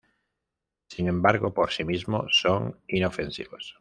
Sin embargo, por sí mismo son inofensivos.